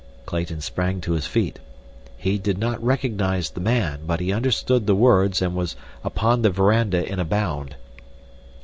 Clayton sprang to his feet. He did not recognize the man, but he understood the words and was upon the veranda in a bound.